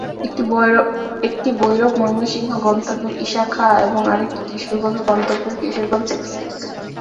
একটি ভৈরব-ময়মনসিংহ গন্তব্যের ঈশা খাঁ এবং আরেকটি কিশোরগঞ্জ গন্তব্যের কিশোরগঞ্জ এক্সপ্রেস।